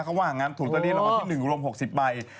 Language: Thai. เขาว่างงานถูตรีลงมาที่๑รวม๖๐ใบ